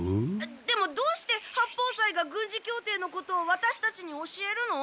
でもどうして八方斎が軍事協定のことをワタシたちに教えるの？